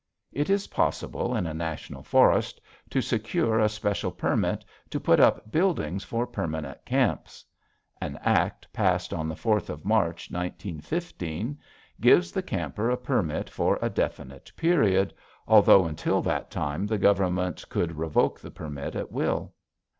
It is possible in a National Forest to secure a special permit to put up buildings for permanent camps. An act passed on the 4th of March, 1915, gives the camper a permit for a definite period, although until that time the Government could revoke the permit at will.